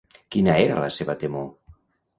Quina era la seva temor?